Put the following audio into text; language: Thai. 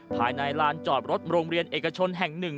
ภายในลานจอดรถโรงเรียนเอกชนแห่ง๑